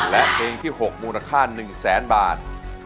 และเพลงที่๖มูลค่า๑แสนบาท